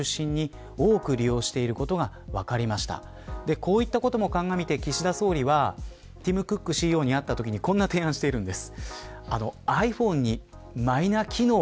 こういったことも鑑みて岸田総理はティム・クック氏に会ったときにこんな提案をしているんです。